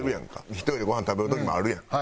１人でごはん食べる時もあるやん。